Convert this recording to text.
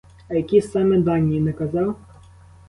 А які саме дані, не казав?